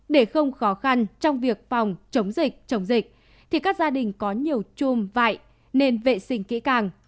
để không khó khăn trong việc phòng chống dịch chống dịch thì các gia đình có nhiều chùm vải nên vệ sinh kỹ càng